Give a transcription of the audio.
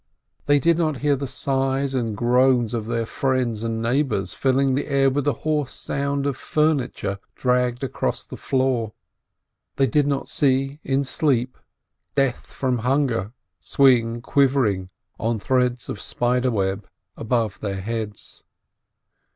They did not hear the sighs and groans of their friends and neigh bors, filling the air with the hoarse sound of furniture dragged across the floor; they did not see, in sleep, Death from hunger swing quivering, on threads of spider web, above their heads.